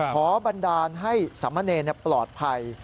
บันดาลให้สามเณรปลอดภัย